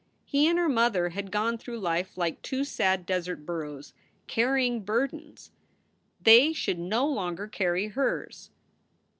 He and her mother had gone through life like two sad desert burros, carrying burdens. They should no longer carry hers.